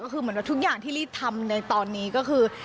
ก็คือเหมือนว่าทุกอย่างที่รีดทำในตอนนี้ก็คือ